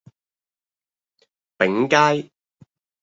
昺街